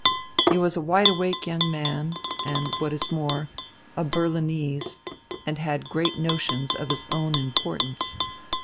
He was a wide awake young man and, what is more, a Berlinese, and had great notions of his own importance.